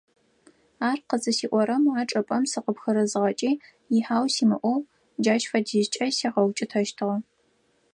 Ар къызысиӀорэм а чӀыпӀэм сыпхырызыгъэкӀи ихьау симыӀэу джащ фэдизкӀэ сигъэукӀытэщтыгъэ.